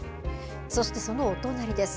そしてそのお隣です。